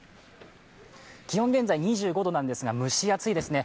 気温は現在２５度なんですが、蒸し暑いですね。